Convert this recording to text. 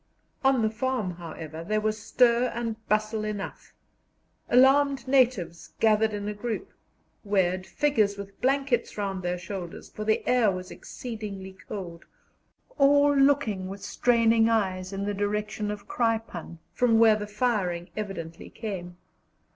On the farm, however, there was stir and bustle enough: alarmed natives gathered in a group, weird figures with blankets round their shoulders for the air was exceedingly cold all looking with straining eyes in the direction of Kraipann, from where the firing evidently came.